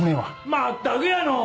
まったくやのう！